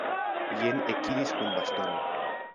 Jen ekiris kun bastono!